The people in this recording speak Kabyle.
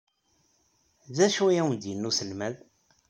D acu ay awen-d-yenna uselmad?